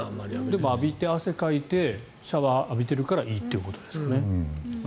でも、浴びて汗をかいてシャワーを浴びてるからいいということですかね。